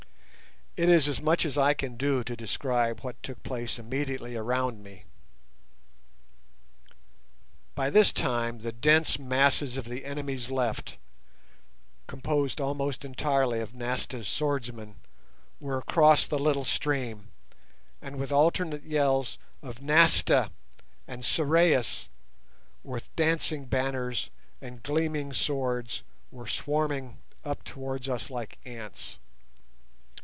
It is as much as I can do to describe what took place immediately around me. By this time the dense masses of the enemy's left, composed almost entirely of Nasta's swordsmen, were across the little stream, and with alternate yells of "Nasta" and "Sorais", with dancing banners and gleaming swords, were swarming up towards us like ants.